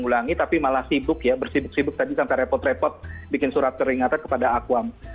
saya tidak ingin mengulangi tapi malah sibuk ya bersibuk sibuk tadi sampai repot repot bikin surat teringatan kepada akuam